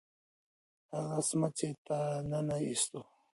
هغه سمڅې ته ننه ایستو.